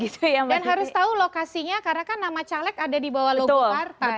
harus tahu lokasinya karena kan nama caleg ada di bawah logo partai